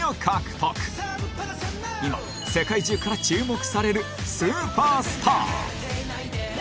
今世界中から注目されるスーパースター